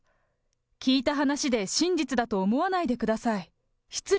聞いた話で真実だと思わないでください。